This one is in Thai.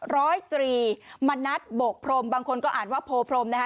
ร้อยตรีมณัฐโบกพรมบางคนก็อ่านว่าโพพรมนะคะ